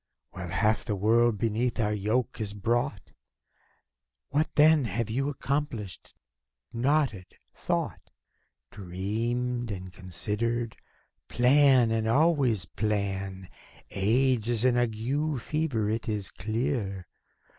While half the world beneath our yoke is brought. What, then, have you accomplished? Nodded — thought — Dreamed, and considered — plan, and always plan! Age is an ague fever, it is clear.